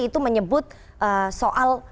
itu menyebut soal